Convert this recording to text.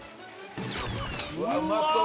うわうまそう！